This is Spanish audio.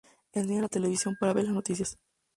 Enciende la televisión para ver las noticias.